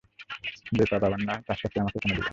যে পাপ আমার নয় তার শাস্তি আমাকে কেন দিবেন?